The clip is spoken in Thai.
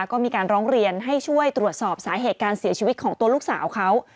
ก็มีการร้องเรียนให้ช่วยตรวจสอบสาเหตุการเสียชีวิตของตัวลูกสาวเขา